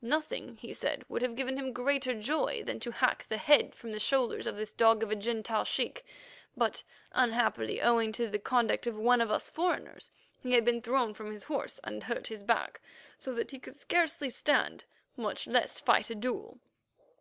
Nothing, he said, would have given him greater joy than to hack the head from the shoulders of this dog of a Gentile sheik. But, unhappily, owing to the conduct of one of us foreigners, he had been thrown from his horse, and hurt his back, so that he could scarcely stand, much less fight a duel.